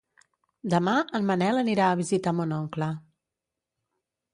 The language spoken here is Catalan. Demà en Manel anirà a visitar mon oncle.